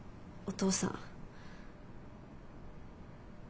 お父さん。